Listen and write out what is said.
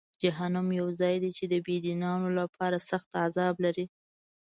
جهنم یو ځای دی چې د بېدینانو لپاره سخت عذاب لري.